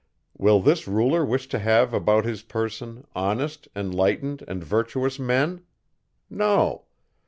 Will this ruler wish to have, about his person, honest, enlightened, and virtuous men? No.